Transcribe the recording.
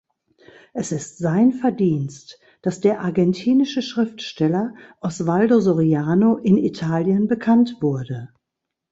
Es ist sein Verdienst, dass der argentinische Schriftsteller Osvaldo Soriano in Italien bekannt wurde.